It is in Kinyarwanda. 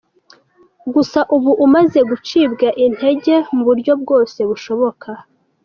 Gusa ubu umaze gucibwa intege mu buryo bwose bushoboka.